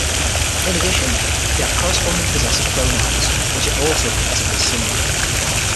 In addition, they have corresponding possessive pronouns, which are also phonetically similar.